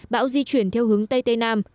bão di chuyển theo hướng tây tây nam